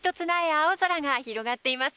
青空が広がっています。